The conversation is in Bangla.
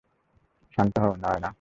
শান্ত হও, নায়না।